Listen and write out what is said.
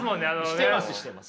してますしてます！